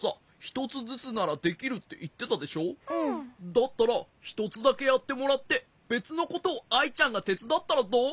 だったらひとつだけやってもらってべつのことをアイちゃんがてつだったらどう？